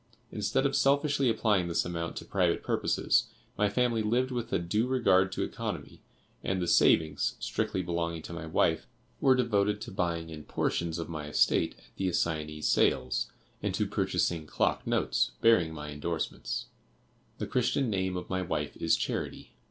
Instead of selfishly applying this amount to private purposes, my family lived with a due regard to economy, and the savings (strictly belonging to my wife) were devoted to buying in portions of my estate at the assignees' sales, and to purchasing "clock notes" bearing my indorsements. The Christian name of my wife is Charity.